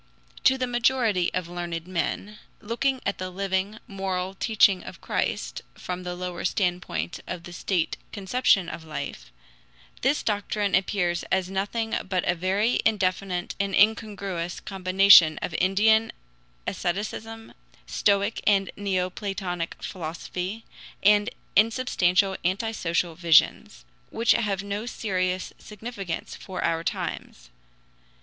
To the majority of learned then, looking at the living, moral teaching of Christ from the lower standpoint of the conception of life, this doctrine appears as nothing but very indefinite and incongruous combination of Indian asceticism, Stoic and Neoplatonic philosophy, and insubstantial anti social visions, which have no serious significance for our times.